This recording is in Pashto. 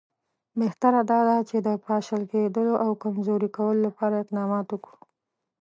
بهتره دا ده چې د پاشل کېدلو او کمزوري کولو لپاره اقدامات وکړو.